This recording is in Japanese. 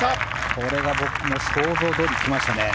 これが想像どおり来ましたね。